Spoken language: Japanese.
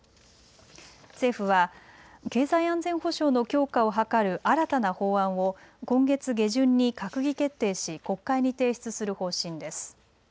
政府は経済安全保障の強化を図る新たな法案を今月下旬に閣議決定し国会に提出する方針です。